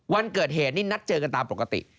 วันเกิดเหตุนี่นัดเจอกันตามปกติ